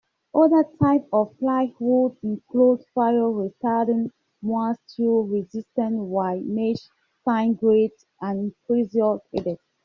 Other types of plywoods include fire-retardant, moisture-resistant, wire mesh, sign-grade, and pressure-treated.